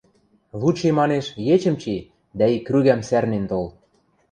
Лучи, манеш, ечӹм чи дӓ ик крӱгӓм сӓрнен тол